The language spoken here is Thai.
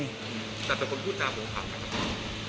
แต่เป็นคนพูดจากหัวผัก